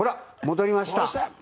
戻りました。